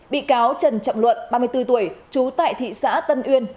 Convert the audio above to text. bị cáo trần trọng luận ba mươi bốn tuổi trú tại thị xã tân uyên